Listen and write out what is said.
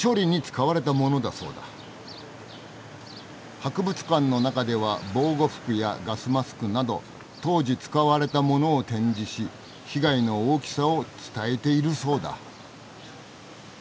博物館の中では防護服やガスマスクなど当時使われたものを展示し被害の大きさを伝えているそうだ。